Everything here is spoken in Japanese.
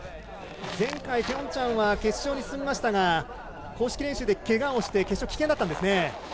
前回、ピョンチャンは決勝に進みましたが公式練習でけがをして決勝は棄権でした。